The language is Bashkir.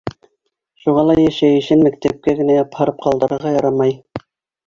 Шуға ла йәшәйешен мәктәпкә генә япһарып ҡалдырырға ярамай.